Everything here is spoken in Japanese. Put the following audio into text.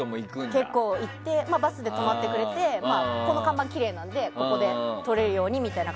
結構いてバスも止まってくれてこの看板はきれいなのでここで撮れるようにっていう。